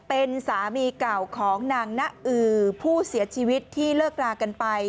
เป็นสามีเก่าของนางนะอือผู้เสียชีวิตที่เลิกรากันไป